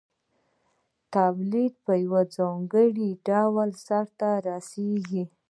تولید په یو ځانګړي ډول ترسره کېږي